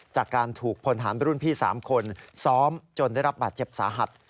จากการถูกพลฐานรุ่นพี่๓คนซ้อมจนได้รับบาดเจ็บสาหัส